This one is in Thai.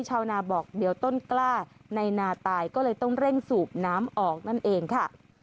ชาวนาบอกเดี๋ยวต้นกล้าในนาตายก็เลยต้องเร่งสูบน้ำออกนั่นเองค่ะ